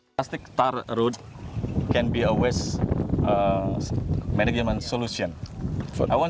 pemanfaatan limbah plastik bisa menjadi solusi yang selalu berlebihan